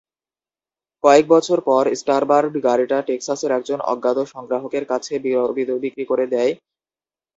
কয়েক বছর পর স্টারবার্ড গাড়িটা টেক্সাসের একজন অজ্ঞাত সংগ্রাহকের কাছে বিক্রি করে দেয়।